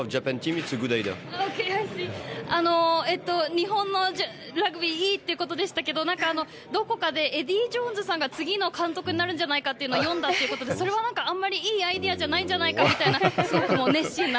日本のラグビー、いいってことでしたけど、なんかどこかでエディー・ジョーンズさんが次の監督になるんじゃないかというのを読んだということで、それはなんかあんまりいいアイデアじゃないかみたいな。